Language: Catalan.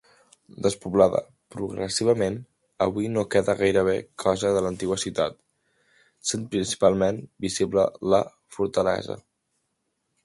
Despoblada progressivament avui no queda gaire cosa de l'antiga ciutat, sent principalment visible la fortalesa.